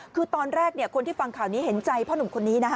คือตอนแรกคนที่ฟังข่าวนี้เห็นใจพ่อหนุ่มคนนี้นะฮะ